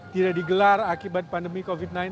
tidak digelar akibat pandemi covid sembilan belas